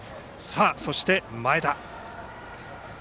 そして、前田。